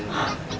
untuk bu dr susun